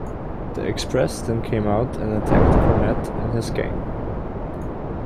The Express then came out and attacked Cornette and his gang.